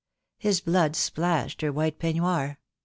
His blood splashed her white peignoir.